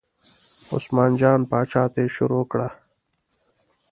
عثمان جان پاچا ته یې شروع کړه.